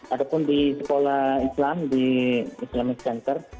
ataupun di sekolah islam di islamic center